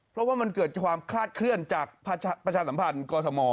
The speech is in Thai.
เพราะว่ามันเกิดความคลาดเคลื่อนจากประชาสัมพันธ์กรทม